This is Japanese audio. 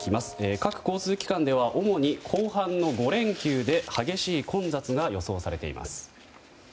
各交通機関では主に後半の５連休で激しい混雑が予想されています。